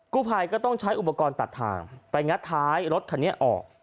ผู้ภัยก็ต้องใช้อุปกรณ์ตัดทางไปงัดท้ายรถคันนี้ออก